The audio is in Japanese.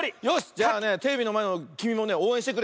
じゃあねテレビのまえのきみもねおうえんしてくれ。